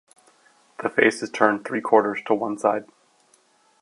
The face is turned three-quarters to one side.